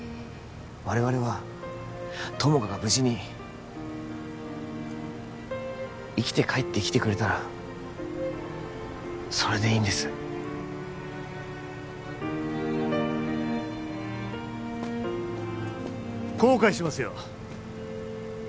我々は友果が無事に生きて帰ってきてくれたらそれでいいんです後悔しますよ